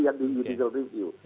yang di judicial review